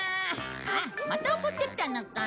あっまた送ってきたのか。